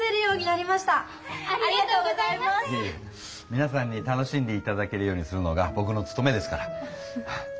みなさんに楽しんでいただけるようにするのがぼくのつとめですから。